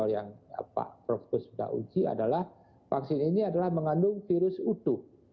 yang prof gus sudah uji adalah vaksin ini mengandung virus utuh